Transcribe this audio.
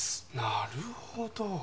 なるほど。